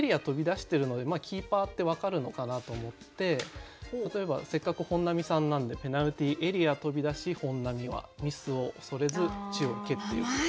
飛び出してるのでキーパーって分かるのかなと思って例えばせっかく本並さんなんで「ペナルティーエリア飛び出し本並はミスを恐れず地を蹴ってゆく」。